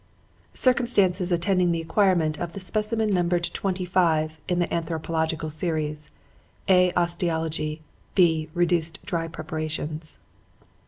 "Circumstances attending the acquirement of the specimen numbered 'twenty five' in the Anthropological Series (A. Osteology. B. Reduced dry preparations).